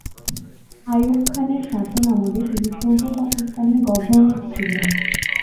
আইয়ুব খানের শাসনামলে তিনি পূর্ব পাকিস্তানের গভর্নর ছিলেন।